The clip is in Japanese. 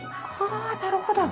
あっなるほど。